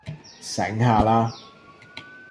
醒下啦